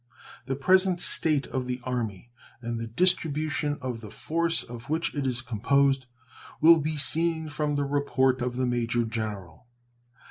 The present state of the Army and the distribution of the force of which it is composed will be seen from the report of the Major General.